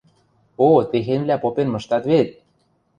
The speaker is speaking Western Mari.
О, техеньвлӓ попен мыштат вет!